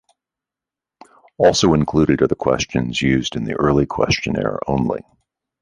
Also included are the questions used in the early questionnaire only.